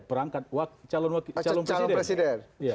perangkat calon presiden